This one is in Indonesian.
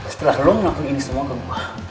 setelah lo ngelakuin ini semua ke rumah